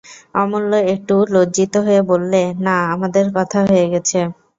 অমূল্য একটু লজ্জিত হয়ে বললে, না, আমাদের কথা হয়ে গেছে!